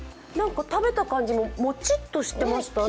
食べた感じももちっとしてましたね。